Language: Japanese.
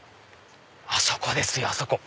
あそこですよ！あそこ。